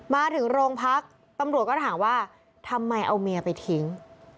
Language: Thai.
มาถึงโรงพักตำรวจก็ถามว่าทำไมเอาเมียไปทิ้ง